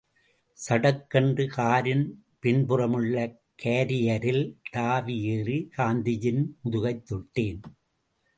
சடக்கென்று காரின் பின்புறமுள்ள காரியரில் தாவி ஏறி காந்திஜியின் முதுகைத் தொட்டேன்.